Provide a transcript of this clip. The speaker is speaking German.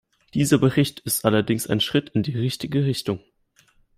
Dieser Bericht ist allerdings ein Schritt in die richtige Richtung.